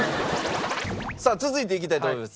さあ続いていきたいと思います。